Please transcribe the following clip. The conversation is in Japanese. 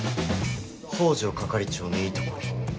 北条係長のいいところ。